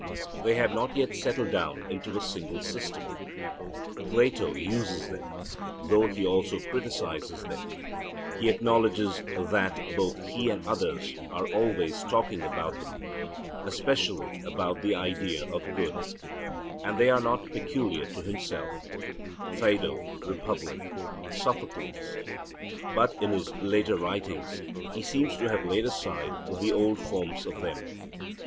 They have not yet settled down into a single system. Plato uses them, though he also criticises them; he acknowledges that both he and others are always talking about them, especially about the Idea of Good; and that they are not peculiar to himself (Phaedo; Republic; Soph.). But in his later writings he seems to have laid aside the old forms of them.